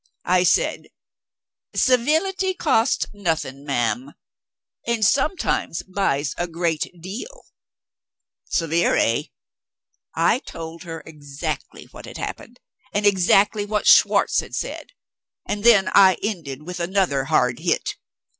I said, "Civility costs nothing, ma'am; and sometimes buys a great deal" (severe, eh?). I told her exactly what had happened, and exactly what Schwartz had said. And then I ended with another hard hit.